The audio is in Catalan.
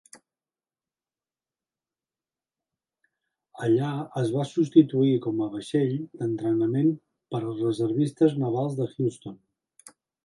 Allà, es va substituir com a vaixell d'entrenament per als reservistes navals de Houston.